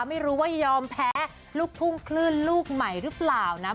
ไม่ยอมแพ้ลูกทุ่งคลื่นลูกใหม่หรือเปล่านะ